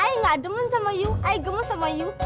i gak demen sama iu i gemes sama iu